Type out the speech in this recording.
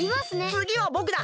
つぎはぼくだ！